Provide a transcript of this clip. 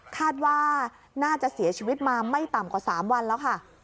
คาดว่าน่าจะเสียชีวิตมาไม่ต่ำกว่า๓วันแล้วค่ะ